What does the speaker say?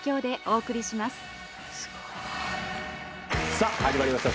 さぁ始まりました